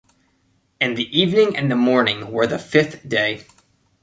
And the evening and the morning were the fifth day.